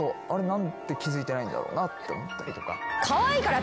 何で気付いてないんだろなって思ったりとか。